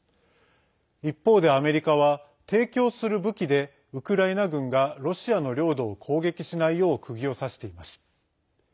一方でアメリカは提供する武器でウクライナ軍がロシアの領土を攻撃しないようくぎを刺しています。